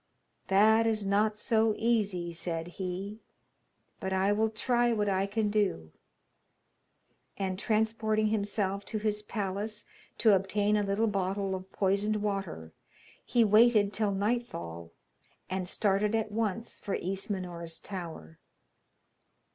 'That is not so easy,' said he, 'but I will try what I can do.' And transporting himself to his palace to obtain a little bottle of poisoned water, he waited till nightfall, and started at once for Ismenor's tower.